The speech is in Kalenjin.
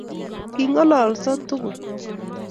Kingololsoo tugul